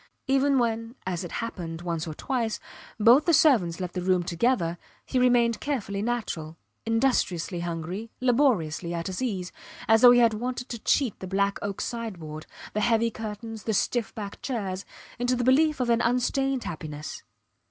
Even when as it happened once or twice both the servants left the room together he remained carefully natural, industriously hungry, laboriously at his ease, as though he had wanted to cheat the black oak sideboard, the heavy curtains, the stiff backed chairs, into the belief of an unstained happiness.